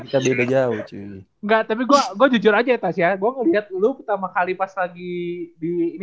kira kira gue jujur aja ya gue lihat lu pertama kali pas lagi di ini